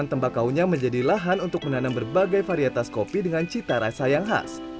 dan juga di jawa tengah tempatnya juga menjadi lahan untuk menanam berbagai varietas kopi dengan cita rasa yang khas